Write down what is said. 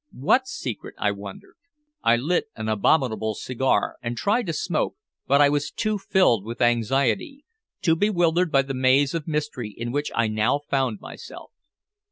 What secret, I wondered? I lit an abominable cigar, and tried to smoke, but I was too filled with anxiety, too bewildered by the maze of mystery in which I now found myself.